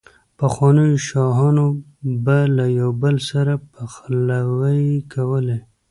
پخوانو شاهانو به له يو بل سره خپلوۍ کولې،